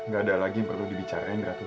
gak ada lagi yang perlu dibicarain